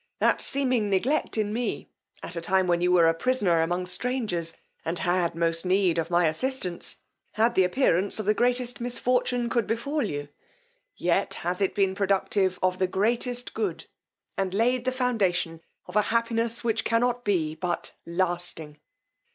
That seeming neglect in me, at a time when you were a prisoner among strangers, and had most need of my assistance, had the appearance of the greatest misfortune could befall you; yet has it been productive of the greatest good, and laid the foundation of a happiness which cannot be but lasting.